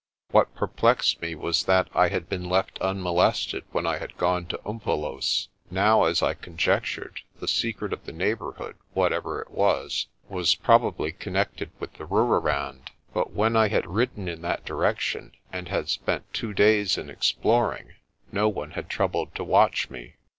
What perplexed me was that I had been left unmolested when I had gone to Umvelos'. Now, as I conjectured, the secret of the neighbourhood, whatever it was, was probably connected with the Roorirand. But when I had ridden in that direction and had spent two days in exploring, no one had troubled to watch me.